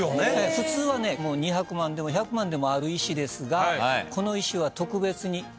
普通はね２００万でも１００万でもある石ですがこの石は。